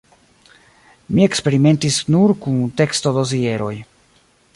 Mi eksperimentis nur kun tekstodosieroj.